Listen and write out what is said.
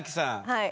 はい。